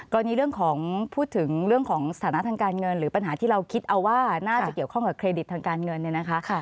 ตอนนี้เรื่องของพูดถึงเรื่องของสถานะทางการเงินหรือปัญหาที่เราคิดเอาว่าน่าจะเกี่ยวข้องกับเครดิตทางการเงินเนี่ยนะคะ